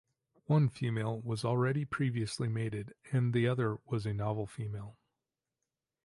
One female was already previously mated and the other was a novel female.